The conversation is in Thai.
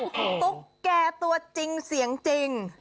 ตุ๊กแก่ตัวจริงเสียงจริง